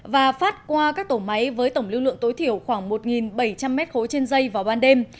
và phát qua các tổ máy với tổng lưu lượng tối thiểu khoảng một bảy trăm linh m ba trên dây vào ban đêm